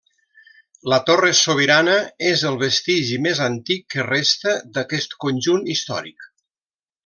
La torre sobirana és el vestigi més antic que resta d'aquest conjunt històric.